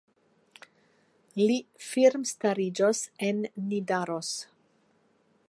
Li firmstariĝos en Nidaros.